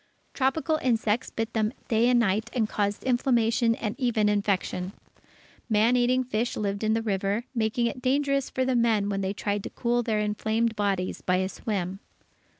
Tropical insects bit them day and night and caused inflammation and even infection. Man eating fish lived in the river, making it dangerous for the men when they tried to cool their inflamed bodies by a swim.